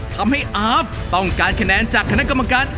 พยายามลุ้มกันค่ะว่า๓๘คะแนนนี้จะได้หรือเปล่า